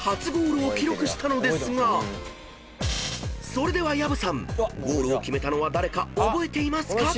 ［それでは薮さんゴールを決めたのは誰か覚えていますか？